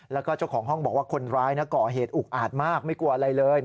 แล้วก็เจ้าของห้องบอกว่าคนร้ายก่อเหตุอุกอาจมากไม่กลัวอะไรเลย